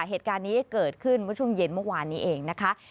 เหตุการณ์นี้เกิดขึ้นเมื่อช่วงเย็นเมื่อวานนี้เองนะคะ